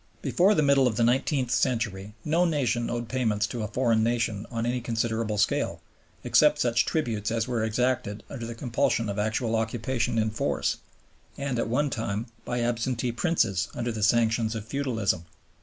Before the middle of the nineteenth century no nation owed payments to a foreign nation on any considerable scale, except such tributes as were exacted under the compulsion of actual occupation in force and, at one time, by absentee princes under the sanctions of feudalism.